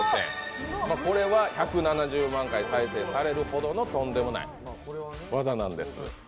これは１７０万回再生されるほどのとんでもない技なんです。